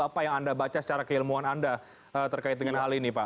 apa yang anda baca secara keilmuan anda terkait dengan hal ini pak